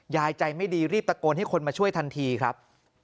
ยายใจไม่ดีรีบตะโกนให้คนมาช่วยทันทีครับ